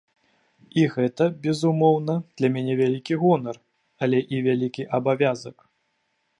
І гэта, безумоўна, для мяне вялікі гонар, але і вялікі абавязак.